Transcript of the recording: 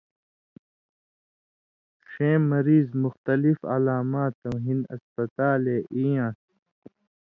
ݜَیں مریض مختلف علاماتؤں ہِن ہسپتالے ای یان٘س۔